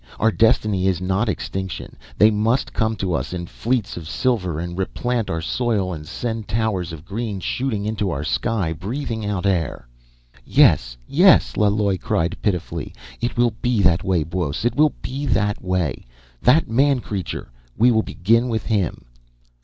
Our destiny is not extinction. They must come to us, in fleets of silver, and replant our soil, and send towers of green shooting into our sky, breathing out air." "Yes, yes!" Laloi cried pitifully. "It will be that way, Buos. It will be that way! That man creature, we will begin with him